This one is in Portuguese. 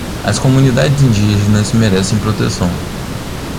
As comunidades indígenas merecem proteção